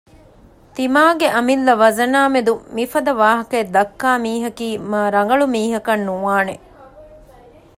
ތިމާގެ އަމިއްލަ ވަޒަނާމެދު މިފަދަ ވާހަކައެއް ދައްކާ މީހަކީ މާ ރަނގަޅު މީހަކަށް ނުވާނެ